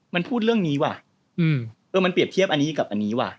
มันพูดเรื่องนี้ว่ะเออมันเปรียบเทียบอันนี้กับอันนี้ว่ะ